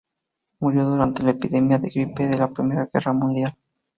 Murió durante la epidemia de gripe de la primera guerra mundial.